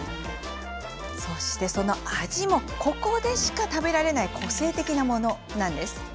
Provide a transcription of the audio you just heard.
その味もここでしか食べられない個性的なものなんです。